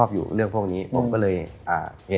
บ๊วยว่าเรื่องพี่บอยโอเค